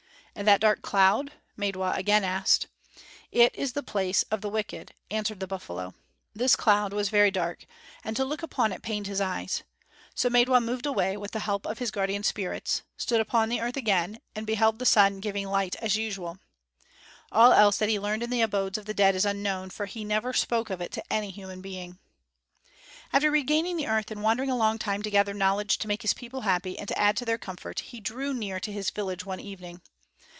"And that dark cloud?" Maidwa again asked. "It is the place of the wicked," answered the buffalo. This cloud was very dark and to look upon it pained his eyes. So Maidwa moved away with the help of his guardian spirits, stood upon the earth again, and beheld the sun giving light as usual. All else that he learned in the abodes of the dead is unknown, for he never spoke of it to any human being. After regaining the earth and wandering a long time to gather knowledge to make his people happy and to add to their comfort, he drew near to his village one evening.